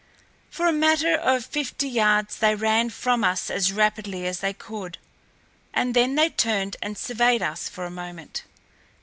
For a matter of fifty yards they ran from us as rapidly as they could, and then they turned and surveyed us for a moment.